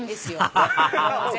ハハハハハ！